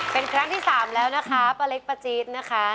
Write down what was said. เป็นครั้งที่สามแล้วนะคะป้าเล็กป้าจี๊ดนะคะ